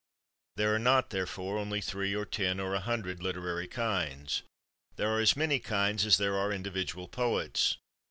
There are not, therefore, only three or ten or a hundred literary kinds; there are as many kinds as there are individual poets."